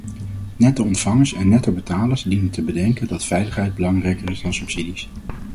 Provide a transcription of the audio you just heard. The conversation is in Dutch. Netto-ontvangers en nettobetalers dienen te bedenken dat veiligheid belangrijker is dan subsidies.